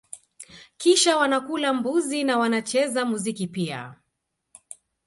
Kisha wanakula mbuzi na wanacheza muziki pia